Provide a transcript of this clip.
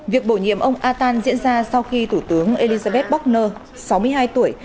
việc bổ nhiệm ông attal diễn ra sau khi thủ tướng elisabeth bochner sáu mươi hai tuổi